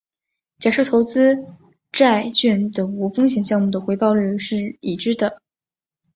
假设投资债券等无风险项目的回报率是已知的。